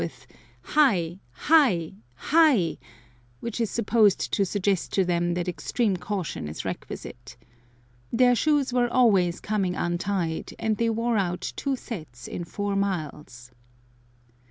Hai! Hai! which is supposed to suggest to them that extreme caution is requisite. Their shoes were always coming untied, and they wore out two sets in four miles.